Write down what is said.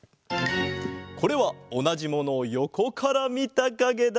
これはおなじものをよこからみたかげだ。